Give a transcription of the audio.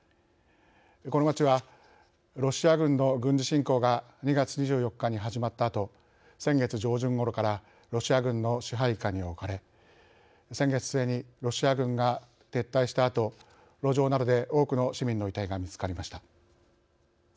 この町は、ロシア軍の軍事侵攻が２月２４日に始まったあと先月上旬ごろからロシア軍の支配下に置かれ先月末にロシア軍が撤退したあと路上などで、多くの市民の遺体が見つかりました。